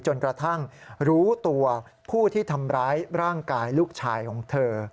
จนกระทั่งรู้ตัวผู้ที่ทำร้ายร่างกายลูกชายของเธอ